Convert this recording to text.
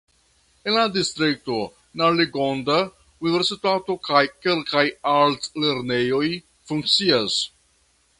En la distrikto Naligonda universitato kaj kelkaj altlernejoj funkcias.